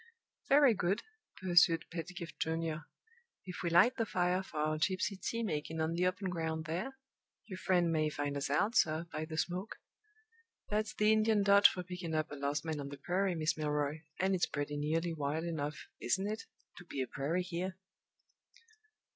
"Very good," pursued Pedgift Junior. "If we light the fire for our gypsy tea making on the open ground there, your friend may find us out, sir, by the smoke. That's the Indian dodge for picking up a lost man on the prairie, Miss Milroy and it's pretty nearly wild enough (isn't it?) to be a prairie here!"